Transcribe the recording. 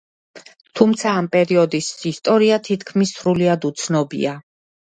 თუმცა ამ პერიოდის ისტორია თითქმის სრულიად უცნობია.